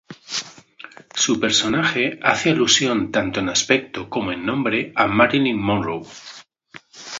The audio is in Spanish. Su personaje hace alusión tanto en aspecto como en nombre a Marilyn Monroe.